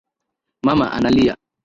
Mama analia